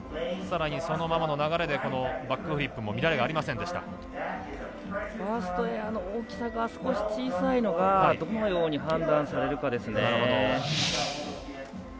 さらにそのままの流れでバックフリップもファーストエアの大きさが少し小さいのがどのように判断されるかですね。